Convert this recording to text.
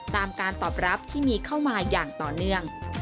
ตามการตอบรับที่มีเข้ามาอย่างต่อเนื่อง